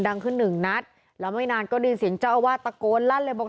ดังขึ้นหนึ่งนัดแล้วไม่นานก็ได้ยินเสียงเจ้าอาวาสตะโกนลั่นเลยบอก